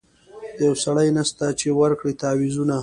یو سړی نسته چي ورکړي تعویذونه